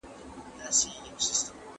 ¬ چي نه کار، په هغه دي څه کار.